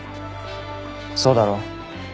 そうだろ？